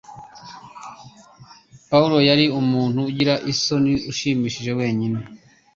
Pawulo yari umuntu ugira isoni, ushimishije, wenyine